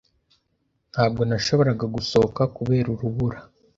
Ntabwo nashoboraga gusohoka kubera urubura